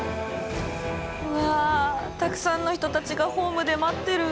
うわあたくさんの人たちがホームで待ってる。